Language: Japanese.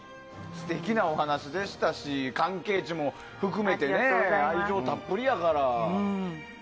素敵なお話でしたし関係値も含めて愛情たっぷりやから。